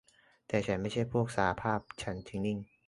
แต่ฉันไม่ใช่พวกสหภาพ ฉันจึงนิ่ง